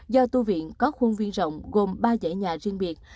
do tu viện có khuôn viên rộng gồm ba dãy nhà riêng biệt